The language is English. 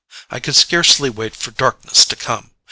I could scarcely wait for darkness to come.